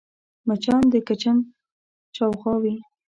مچان د کچن شاوخوا وي